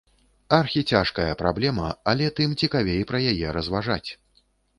Архіцяжкая праблема, але тым цікавей пра яе разважаць.